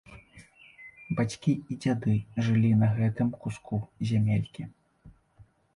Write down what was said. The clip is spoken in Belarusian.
Бацькі і дзяды жылі на гэтым куску зямелькі.